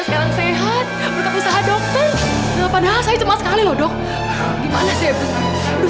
kenapa kamu gak harus tunggu dokter